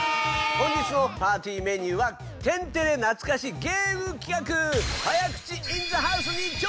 本日のパーティーメニューは天てれなつかしゲーム企画！